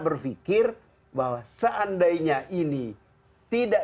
berpikir bahwa seandainya ini tidak